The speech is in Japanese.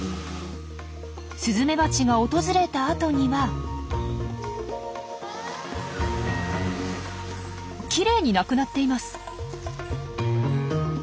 スズメバチが訪れた後にはきれいに無くなっています。